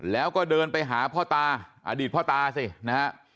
แล้วก็เดินไปหาพ่อตาอดีตพ่อตาสินะฮะ